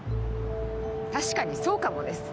確かにそうかもです。